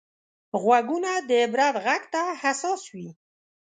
غوږونه د عبرت غږ ته حساس وي